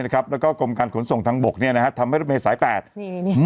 ก็กรมการขนส่งทางบกเนี่ยนะครับทำให้รถเมย์สายแปดนี่นี่นี่